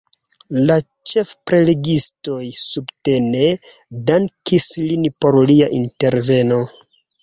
La ĉefprelegistoj subtene dankis lin por lia interveno.